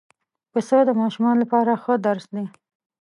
پسه د ماشومانو لپاره ښه درس دی.